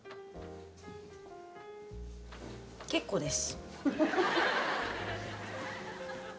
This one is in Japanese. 結構です。